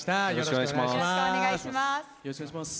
よろしくお願いします。